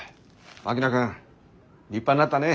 槙野君立派になったね。